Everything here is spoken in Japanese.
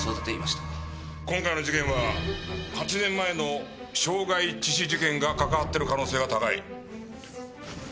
今回の事件は８年前の傷害致死事件が関わっている可能性が高い。